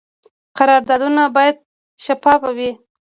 قراردادونه باید شفاف وي